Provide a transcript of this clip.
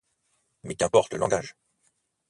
Mais qu’importe le langage !